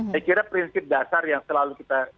saya kira prinsip dasar yang selalu kita